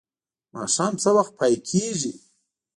ماښام څه وخت پای کیږي؟